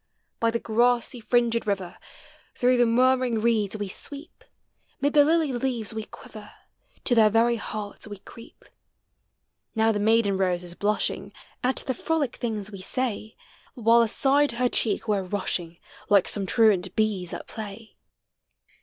By the grassy fringed river, Through the murmuring reeda we sweep; Mid the lily lea ves we quiver. To their very hearts we creep. Now the maiden rose is blushing Al the frolic things we say, AVhile aside her cheek we're rushing. Like some truaul bees at play.